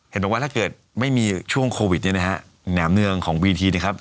เห็นบอกว่าถ้าเกิดไม่มีช่วงโควิดแหนามเนืองของวีทีนะครับ